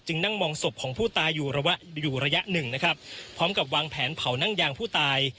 นั่งมองศพของผู้ตายอยู่ระยะอยู่ระยะหนึ่งนะครับพร้อมกับวางแผนเผานั่งยางผู้ตาย